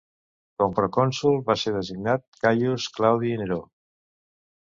Com procònsol va ser designat Caius Claudi Neró.